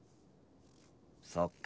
そっか。